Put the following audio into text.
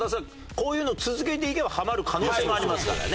こういうのを続けていけばハマる可能性もありますからね。